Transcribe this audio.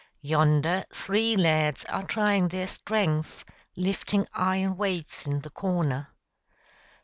Yonder three lads are trying their strength lifting iron weights in the corner.